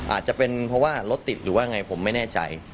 อาจจะเป็นเพราะว่ารถติดหรือว่าไงผมไม่แน่ใจ